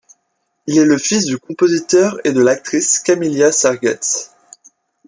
Il est le fils du compositeur et de l'actrice Camilla Siegertsz.